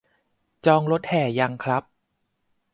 จองรถแห่ยังครับ